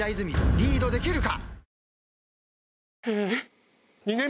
リードできるか！？